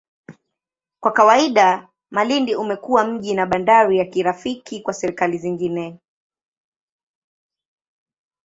Kwa kawaida, Malindi umekuwa mji na bandari ya kirafiki kwa serikali zingine.